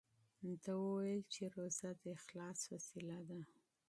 ده وویل چې روژه د اخلاص وسیله ده.